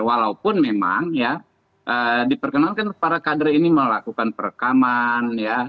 walaupun memang diperkenalkan para kader ini melakukan perekaman